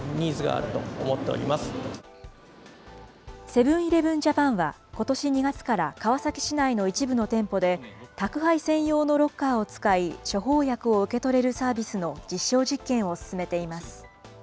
セブン−イレブン・ジャパンは、ことし２月から、川崎市内の一部の店舗で、宅配専用のロッカーを使い、処方薬を受け取れるサービスの実証実験を進めています。